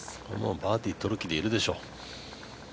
バーディー取る気でいるでしょう。